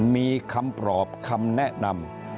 มีคำปลอบคำแนะนำ